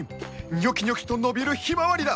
ニョキニョキと伸びるヒマワリだ！